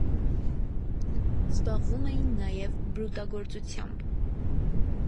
Զբաղվում էին նաև բրուտագործությամբ։